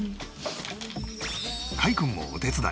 かいくんもお手伝い。